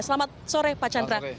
selamat sore pak chandra